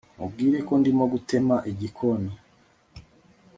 Mubwire ko ndimo gutema igikoni